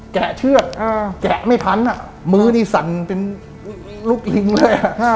แกะเชือกแกะไม่พันอ่ะมือนี่สั่นเป็นลูกลิงเลย